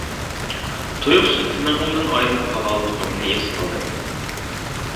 تۇيۇقسىز تىنىقىمدىن ئايرىلىپ قالغانلىقىمنى ھېس قىلدىم.